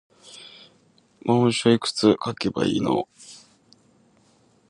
文章いくつ書けばいいの